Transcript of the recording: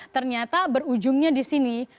ternyata berujungnya di sini